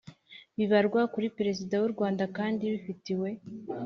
bibarwa kuri perezida w'u rwanda kandi bifitiwe